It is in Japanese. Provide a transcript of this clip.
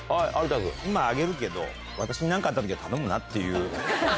今あげるけど、私になんかあったときは頼むなっていう。